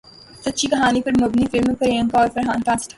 سچی کہانی پر مبنی فلم میں پریانکا اور فرحان کاسٹ